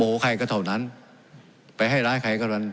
โมโหใครก็เท่านั้นไปให้ร้ายใครก็เท่านั้น